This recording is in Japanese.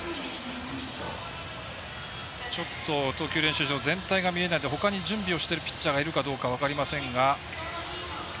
ちょっと、投球練習場全体が見えないとほかに準備をしているピッチャーがいるかどうか分かりませんが。